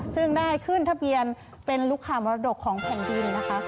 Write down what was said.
ซึ่งได้ขึ้นทะเบียนเป็นลูกค้ามรดกของแผ่นดินนะคะ